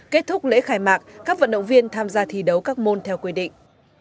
kết thúc lễ khai mạc các vận động viên tham gia thi đấu các môn theo quy định